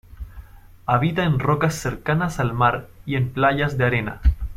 Habita en rocas cercanas al mar y en playas de arena.